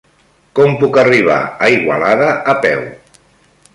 Com puc arribar a Igualada a peu?